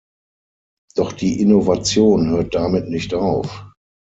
Doch die Innovation hört damit nicht auf.